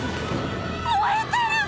燃えてる！